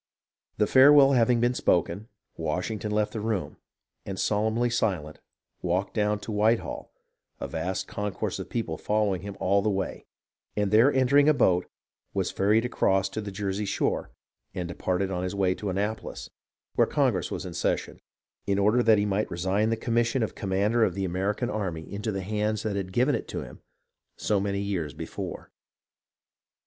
The farewell having been spoken, Washington left the room, and, solemnly silent, walked down to Whitehall, a vast concourse of people following him all the way, and there entering a boat, was ferried across to the Jersey shore and departed on his way to Annapolis, where Congress was in session, in order that he might resign the commission of commander of the army of America PEACE 405 into the hands that had given it to him so many years before.